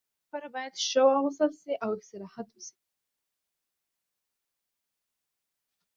د دې لپاره باید ښه واغوستل شي او استراحت وشي.